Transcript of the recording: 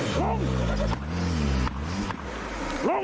ลงลง